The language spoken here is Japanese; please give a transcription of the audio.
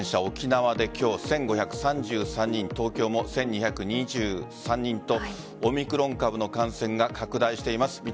沖縄で今日１５３３人東京も１２２３人とオミクロン株の感染が拡大しています。